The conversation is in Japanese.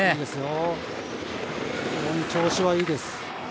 非常に調子はいいです。